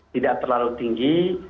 tidak terlalu tinggi